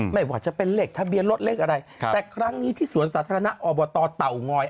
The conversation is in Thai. ไม่ว่าจะเป็นเลขทะเบียนรถเลขอะไรแต่ครั้งนี้ที่สวนสาธารณะอบตเตางอย